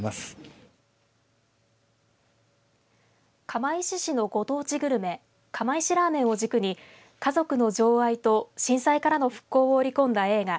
釜石市のご当地グルメ、釜石ラーメンを軸に家族の情愛と震災からの復興を織り込んだ映画